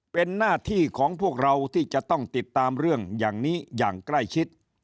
เป็นหน้าที่ของพวกเราที่จะต้องติดตามเรื่องอย่างนี้อย่างใกล้ชิด